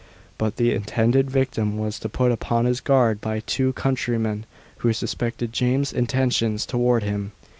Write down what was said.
But the intended victim was put upon his guard by two countrymen, who suspected James's intentions towards him.